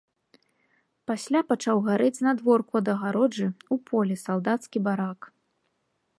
Пасля пачаў гарэць знадворку ад агароджы, у полі, салдацкі барак.